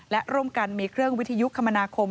และร่วมกันมีเครื่องวิทยุคมนาคม